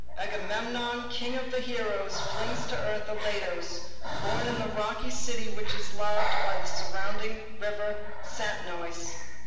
Agamemnon, king of the heroes, flings to earth Elatos, born in the rocky city which is laved by the sounding river Satnoïs."